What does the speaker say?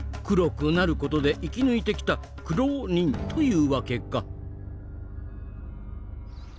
黒くなることで生き抜いてきたクロー人というわけか。